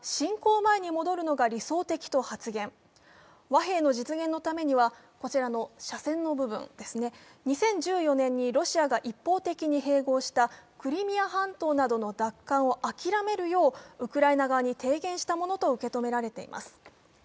和平の実現のためにはこちらの斜線の部分ですね、２０１４年にロシアが一方的に併合したクリミア半島などの奪還を諦めるようウクライナ側に提言したものと受け止められています。